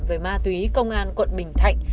với ma túy công an quận bình thạnh